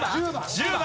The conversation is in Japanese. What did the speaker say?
１０番！